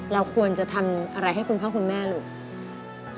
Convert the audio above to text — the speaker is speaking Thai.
เราควรจะทำอะไรให้คุณพ่อคุณแม่ลูก